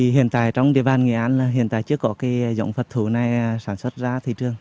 hiện tại trong địa bàn nghệ an hiện tại chưa có giống phật thủ này sản xuất ra thị trường